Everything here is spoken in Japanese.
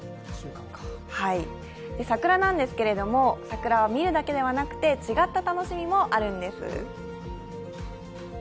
桜なんですけれども、桜は見るだけではなくて違った楽しみもあるんです。